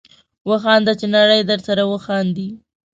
وخانده چې نړۍ درسره وخاندي